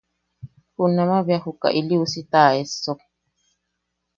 Junamaʼa beja juka ili usita a essok.